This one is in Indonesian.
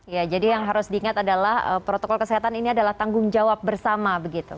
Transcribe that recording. ya jadi yang harus diingat adalah protokol kesehatan ini adalah tanggung jawab bersama begitu